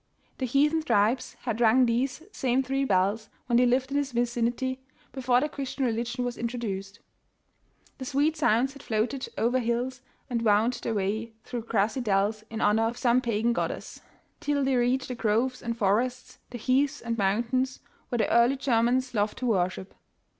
The heathen tribes had rung these same three bells, when they lived in this vicinity, before the Christian religion was introduced. The sweet sounds had floated over hills, and wound their way through grassy dells in honor of some pagan goddess, till they 17 The Original John Jacob Astor reached the groves and forests, the heaths and moun tains where the early Germans loved to worship.